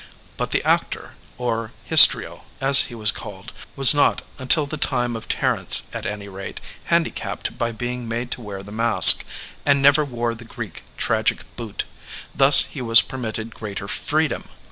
But the actor, or histrio as he was called, was not, tmtil the time of Terence at any rate, handicapped by being made to wear the mask, and never wore the Greek tragic boot; thus he was permitted greater freedom.